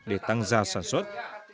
để tăng gia sản xuất